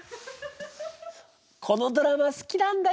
このドラマ好きなんだよねえ。